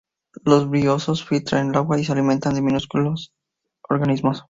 Los briozoos filtran el agua y se alimentan de minúsculos organismos.